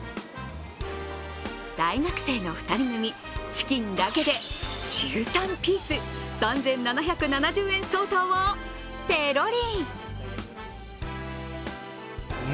大学生の２人組、チキンだけで１３ピース、３７７０円相当をペロリ。